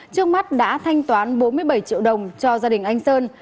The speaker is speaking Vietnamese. trước mắt đã thanh toán bốn mươi bảy triệu đồng cho gia đình anh sơn